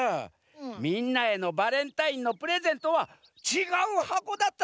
みんなへのバレンタインのプレゼントはちがうはこだったざんす。